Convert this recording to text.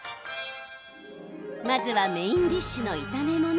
まずはメインディッシュの炒め物。